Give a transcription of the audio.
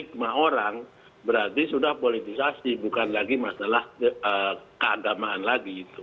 kalau itu dianggap sama orang berarti sudah politisasi bukan lagi masalah keagamaan lagi itu